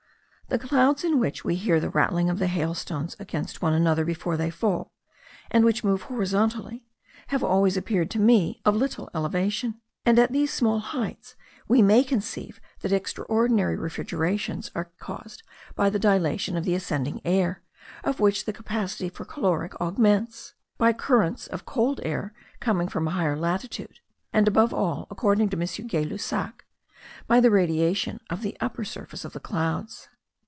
The clouds in which we hear the rattling of the hailstones against one another before they fall, and which move horizontally, have always appeared to me of little elevation; and at these small heights we may conceive that extraordinary refrigerations are caused by the dilatation of the ascending air, of which the capacity for caloric augments; by currents of cold air coming from a higher latitude, and above all, according to M. Gay Lussac, by the radiation from the upper surface of the clouds.